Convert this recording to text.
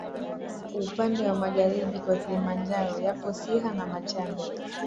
Upande magharibi kwa Kilimanjaro yapo Siha na Machame